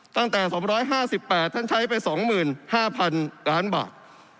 ตั้งแต่๒๕๘ท่านใช้ไป๒๕๐๐๐ล้านบาท